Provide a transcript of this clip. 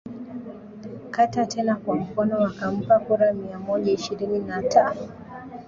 kata tena kwa mkono wakampa kura mia moja ishirini na ta